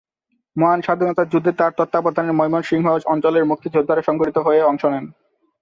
মহান স্বাধীনতা যুদ্ধে তার তত্ত্বাবধানে ময়মনসিংহ অঞ্চলের মুক্তিযোদ্ধারা সংগঠিত হয়ে অংশ নেন।